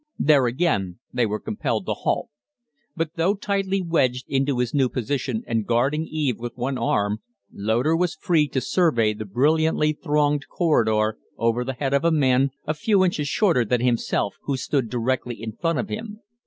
There again they were compelled to halt. But though tightly wedged into his new position and guarding Eve with one arm, Loder was free to survey the brilliantly thronged corridor over the head of a man a few inches shorter than himself, who stood directly in front of him.